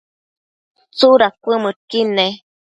¿tsudad cuëdmëdquid ne?